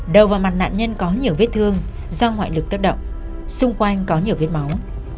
đầu vào mặt nạn nhân có nhiều vết thương do ngoại lực tốc động xung quanh có nhiều vết máu